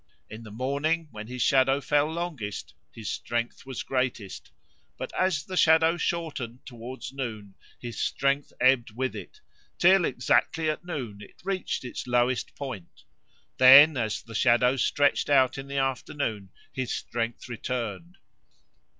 In the morning, when his shadow fell longest, his strength was greatest; but as the shadow shortened towards noon his strength ebbed with it, till exactly at noon it reached its lowest point; then, as the shadow stretched out in the afternoon, his strength returned.